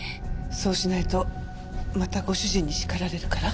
そうしないとまたご主人に叱られるから？